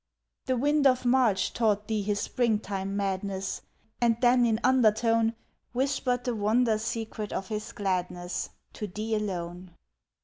The wind of March taught thee his springtime madness, And then in undertone Whispered the wonder secret of his gladness To thee alone.